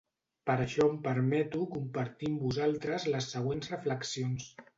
Per això em permeto compartir amb vosaltres les següents reflexions.